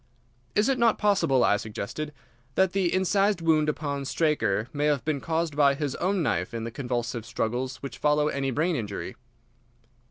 "Is it not possible," I suggested, "that the incised wound upon Straker may have been caused by his own knife in the convulsive struggles which follow any brain injury?"